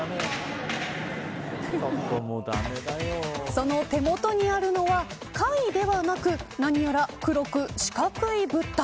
その手元にあるのは貝ではなく何やら黒く、四角い物体。